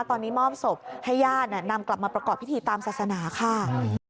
ตอนนี้มอบศพให้ญาตินำกลับมาประกอบพิธีตามศาสนาค่ะ